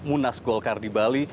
munas golkar di bali